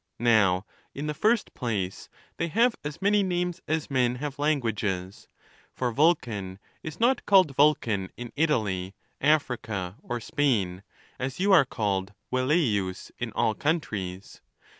Now, in the first place, they have as many names as men have languages; for Vulcan is not called Vulcan in Italy, Africa, or Spain, as you are called Velle ius in all countries.